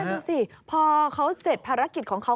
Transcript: ดูสิพอเขาเสร็จภารกิจของเขา